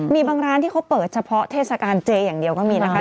มีบางร้านที่เขาเปิดเฉพาะเทศกาลเจอย่างเดียวก็มีนะคะ